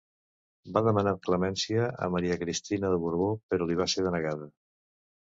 Va demanar clemència a Maria Cristina de Borbó, però li va ser denegada.